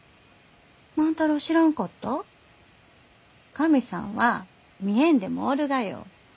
神さんは見えんでもおるがよ。